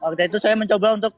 waktu itu saya mencoba untuk